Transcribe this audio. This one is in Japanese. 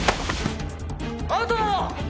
アウトォ！